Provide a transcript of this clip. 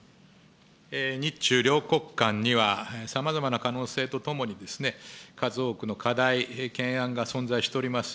日中両国間には、さまざまな可能性とともに、数多くの課題、懸案が存在しております。